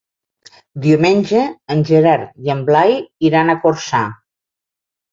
Diumenge en Gerard i en Blai iran a Corçà.